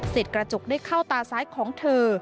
กระจกได้เข้าตาซ้ายของเธอ